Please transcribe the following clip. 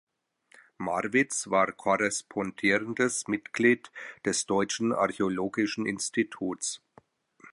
Marwitz war korrespondierendes Mitglied des Deutschen Archäologischen Instituts.